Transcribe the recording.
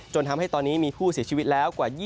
ทำให้ตอนนี้มีผู้เสียชีวิตแล้วกว่า